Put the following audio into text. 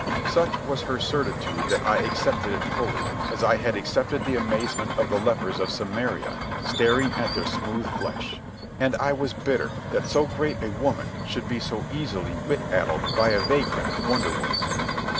Such was her certitude that I accepted it fully, as I had accepted the amazement of the lepers of Samaria staring at their smooth flesh; and I was bitter that so great a woman should be so easily wit addled by a vagrant wonder worker.